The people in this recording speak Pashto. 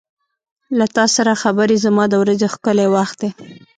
• له تا سره خبرې زما د ورځې ښکلی وخت دی.